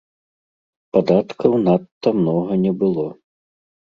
Падаткаў надта многа не было.